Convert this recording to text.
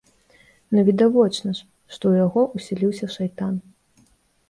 Ну відавочна ж, што ў яго ўсяліўся шайтан.